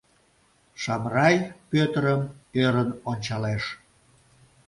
Шамрай Пӧтырым ӧрын ончалеш.